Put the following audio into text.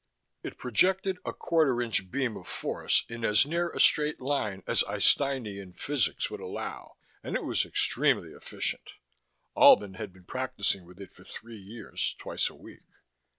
It projected a quarter inch beam of force in as near a straight line as Einsteinian physics would allow, and it was extremely efficient. Albin had been practicing with it for three years, twice a week.